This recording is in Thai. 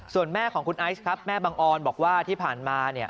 ส่วนแม่ของคุณไอซ์ครับแม่บังออนบอกว่าที่ผ่านมา